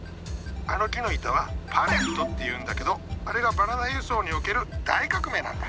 あの木の板はパレットっていうんだけどあれがバナナ輸送における大革命なんだ。